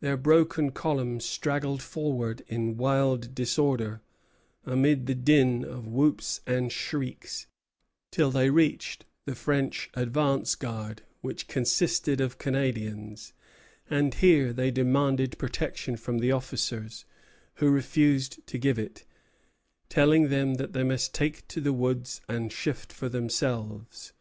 Their broken column straggled forward in wild disorder, amid the din of whoops and shrieks, till they reached the French advance guard, which consisted of Canadians; and here they demanded protection from the officers, who refused to give it, telling them that they must take to the woods and shift for themselves.